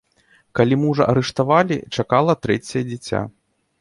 Калі мужа арыштавалі, чакала трэцяе дзіця.